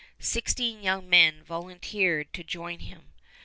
Sixteen young men volunteered to join him.